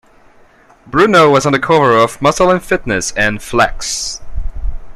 Bruneau was on the cover of "Muscle and Fitness" and "Flex".